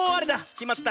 きまった。